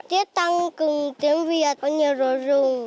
tiết tăng cường tiếng việt có nhiều rửa rừng